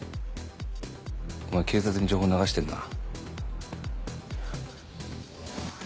お前警察に情報流してるな？